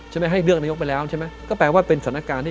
ให้เลือกนายกไปแล้วใช่ไหมก็แปลว่าเป็นสถานการณ์ที่